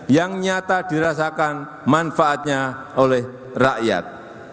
yang nyata dirasakan manfaatnya oleh rakyat